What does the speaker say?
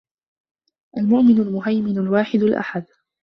المومن، المهيمن، الواحد الأحد